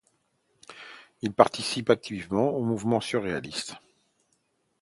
Il participe activement au mouvement surréaliste.